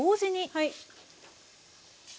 はい。